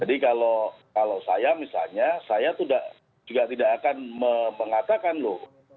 jadi kalau saya misalnya saya juga tidak akan mengatakan loh